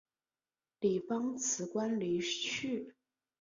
李芳辞官离去。